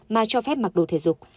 mà cho phép mặc đồ thể dục